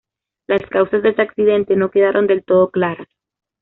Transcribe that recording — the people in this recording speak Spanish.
Las causas de este accidente no quedaron del todo claras.